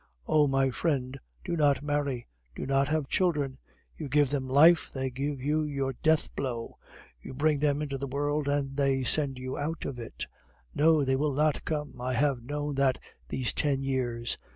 Oh! my friend, do not marry; do not have children! You give them life; they give you your deathblow. You bring them into the world, and they send you out of it. No, they will not come. I have known that these ten years.